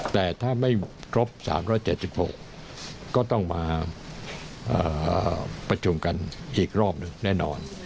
แต่ถ้าไม่ครบ๓๗๖ก็ต้องมาประชุมกันอีกรอบหนึ่งแน่นอน